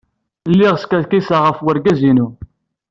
Lliɣ skerkiseɣ ɣef wergaz-inu.